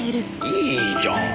いいじゃん。